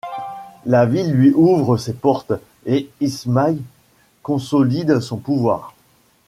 La ville lui ouvre ses portes, et Ismail consolide son pouvoir.